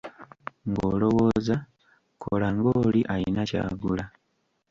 Ng'olowooza, kola ng'oli alina ky'agula.